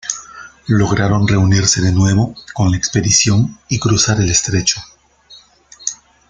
Lograron reunirse de nuevo con la expedición y cruzar el estrecho.